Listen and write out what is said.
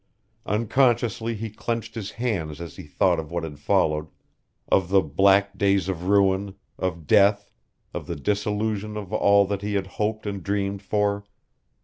Unconsciously he clenched his hands as he thought of what had followed, of the black days of ruin, of death, of the dissolution of all that he had hoped and dreamed for.